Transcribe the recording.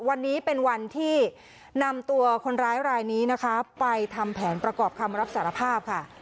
วันนี้เป็นวันที่นำตัวคนร้ายรายนี้นะคะไปทำแผนประกอบคำรับสารภาพค่ะ